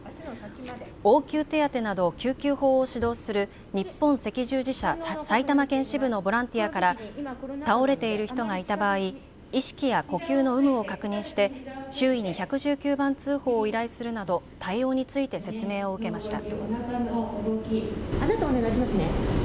応急手当てなど救急法を指導する日本赤十字社埼玉県支部のボランティアから倒れている人がいた場合、意識や呼吸の有無を確認して周囲に１１９番通報を依頼するなど対応について説明を受けました。